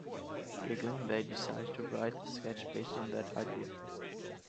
Giggling, they decided to write a sketch based on that idea.